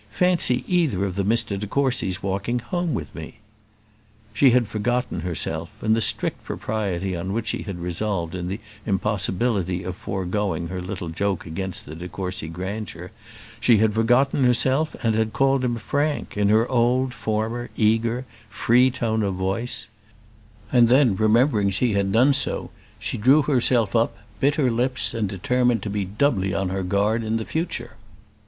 Fancy either of the Mr de Courcys walking home with me!" She had forgotten herself, and the strict propriety on which she had resolved, in the impossibility of forgoing her little joke against the de Courcy grandeur; she had forgotten herself, and had called him Frank in her old, former, eager, free tone of voice; and then, remembering she had done so, she drew herself up, bit her lips, and determined to be doubly on her guard in the future.